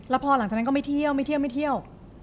แล้วพอหลังจากนั้นก็ไม่เที่ยว